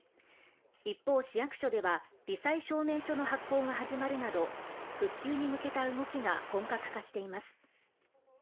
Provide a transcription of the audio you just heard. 一方市役所では、罹災証明書の発行が始まるなど、復旧に向けた動きが本格化しています。